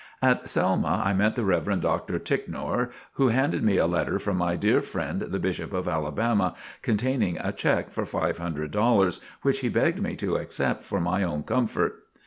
At Selma, I met the Rev. Mr. Ticknor, who handed me a letter from my dear friend, the Bishop of Alabama, containing a check for five hundred dollars, which he begged me to accept for my own comfort.